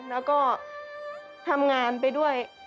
แล้วก็ทำงานไปเบอร์